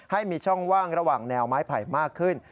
ให้มีช่องว่างระหว่างแนวไม้ไผ่มากขึ้น